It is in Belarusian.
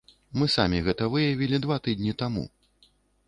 Мы самі гэта выявілі два тыдні таму.